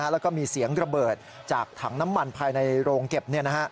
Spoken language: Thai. แล้วก็มีเสียงระเบิดจากถังน้ำมันภายในโรงเก็บ